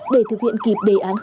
để thực hiện kịp đề án